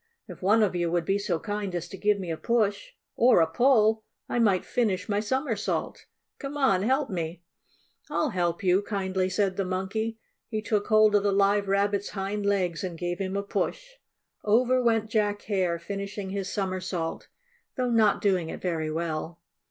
If one of you would be so kind as to give me a push, or a pull, I might finish my somersault. Come on, help me!" "I'll help you," kindly said the Monkey. He took hold of the Live Rabbit's hind legs and gave him a push. Over went Jack Hare, finishing his somersault, though not doing it very well.